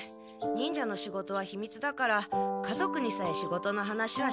忍者の仕事はひみつだから家族にさえ仕事の話はしないからね。